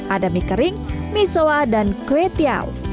ada mie kering mie soa dan kue tiau